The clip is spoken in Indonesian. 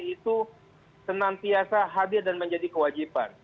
itu senantiasa hadir dan menjadi kewajiban